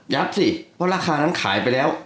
พูดดิว่าราคานั้นขายไปแล้ว